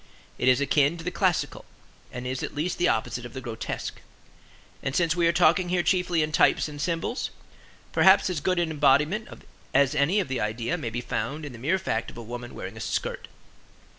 It is akin to the classical, and is at least the opposite of the grotesque. And since we are talking here chiefly in types and symbols, perhaps as good an embodiment as any of the idea may be found in the mere fact of a woman wearing a skirt.